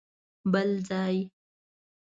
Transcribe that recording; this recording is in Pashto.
بل ځای؟!